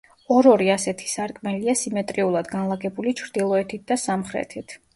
ორ-ორი ასეთი სარკმელია სიმეტრიულად განლაგებული ჩრდილოეთით და სამხრეთით.